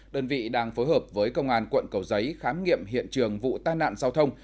đơn vị đang phối hợp với công an quận cầu giấy khám nghiệm hiện trường vụ tai nạn giao thông